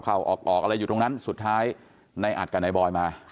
เข้าออกออกอะไรอยู่ตรงนั้นสุดท้ายในอัดกับนายบอยมา